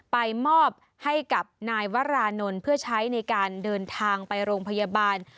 ไปมอบให้กับนายวรานนท์เพื่อใช้ในการเดินทางไปโรงพยาบาล